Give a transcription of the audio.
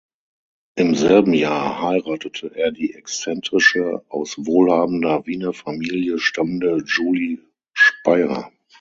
Im selben Jahr heiratete er die exzentrische, aus wohlhabender Wiener Familie stammende Julie Speyer.